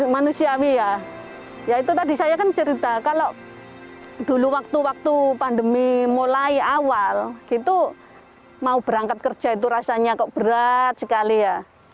mau berangkat kerja itu rasanya kok berat sekali ya